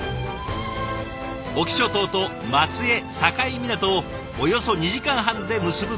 隠岐諸島と松江境港をおよそ２時間半で結ぶこの船。